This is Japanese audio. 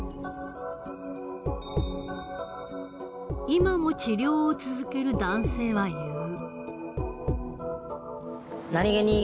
今も治療を続ける男性は言う。